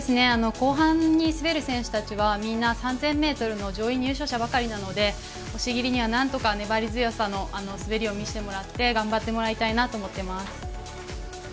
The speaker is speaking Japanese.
後半に滑る選手たちはみんな３０００ｍの上位入賞者ばかりなので押切にはなんとか粘り強さの滑りを見せてもらって頑張ってもらいたいなと思っています。